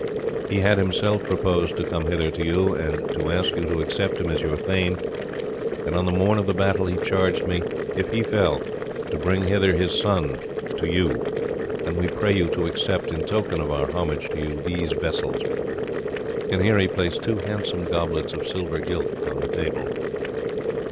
He had himself purposed to come hither to you and to ask you to accept him as your thane, and on the morn of the battle he charged me if he fell to bring hither his son to you; and we pray you to accept, in token of our homage to you, these vessels." And here he placed two handsome goblets of silver gilt upon the table.